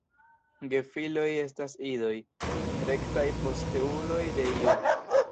Gefiloj estas idoj, rektaj posteuloj de iu.